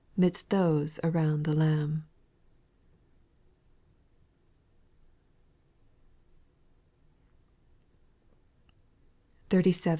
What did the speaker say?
Midst those around the Lamb I » 37.